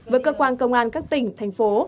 với cơ quan công an các tỉnh thành phố